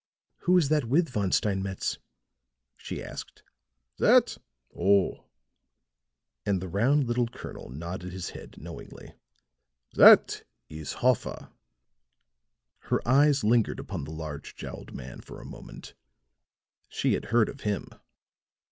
"Who is that with Von Steinmetz?" she asked. "That? Oh," and the round little colonel nodded his head knowingly, "that is Hoffer." Her eyes lingered upon the large jowled man for a moment. She had heard of him.